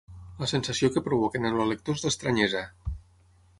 La sensació que provoquen en el lector és d'estranyesa.